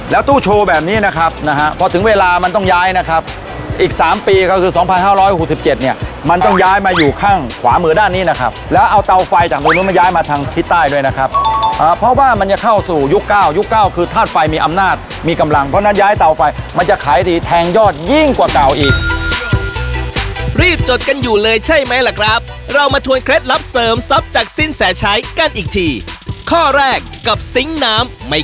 แล้วตู้ชูแบบนี้นะครับนะฮะพอถึงเวลามันต้องย้ายนะครับอีกสามปีก็คือสองพันห้าร้อยหกสิบเจ็ดเนี้ยมันต้องย้ายมาอยู่ข้างขวามือด้านนี้นะครับแล้วเอาเตาไฟจากนู้นมันย้ายมาทางทิศใต้ด้วยนะครับอ่าเพราะว่ามันจะเข้าสู่ยุคเก้ายุคเก้าคือธาตุไฟมีอำนาจมีกำลังเพราะนั้นย้ายเตาไฟมั